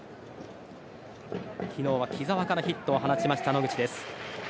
昨日は木澤からヒットを放ちました野口です。